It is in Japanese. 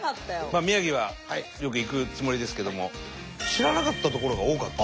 宮城はよく行くつもりですけども知らなかった所が多かった。